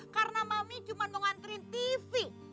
karena mami cuma mau ngantriin tv